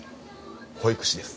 保育士です。